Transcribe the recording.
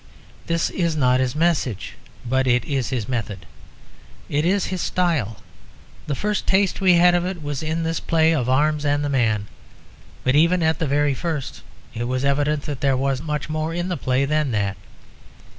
This is not his message; but it is his method; it is his style. The first taste we had of it was in this play of Arms and the Man; but even at the very first it was evident that there was much more in the play than that.